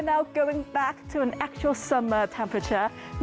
เราจะกลับมากับเวลาเมืองจริง